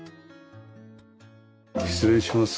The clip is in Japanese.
失礼します。